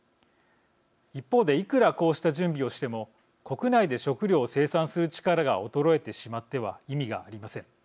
一方でいくらこうした準備をしても国内で食料を生産する力が衰えてしまっては意味がありません。